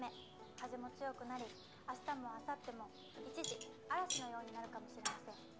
風も強くなり明日もあさっても一時嵐のようになるかもしれません。